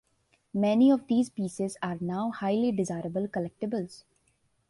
Many of these pieces are now highly desirable collectibles.